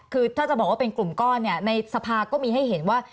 คือถ้าจะบอกว่าเป็นกลุ่มก้อนเนี่ยในสภาก็มีให้เห็นว่า